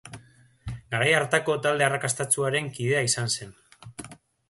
Garai hartako talde arrakastatsuaren kidea izan zen.